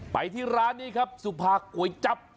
ไปที่ร้านนี้ครับสุภาก๋วยจับ